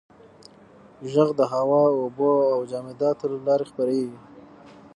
• ږغ د هوا، اوبو او جامداتو له لارې خپرېږي.